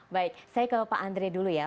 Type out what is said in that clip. baik saya ke pak andre dulu ya